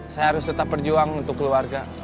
saya harus tetap berjuang untuk keluarga